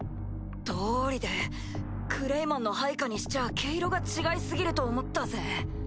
どうりでクレイマンの配下にしちゃ毛色が違い過ぎると思ったぜ。